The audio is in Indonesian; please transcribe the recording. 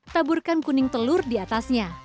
taburkan kuning telur di atasnya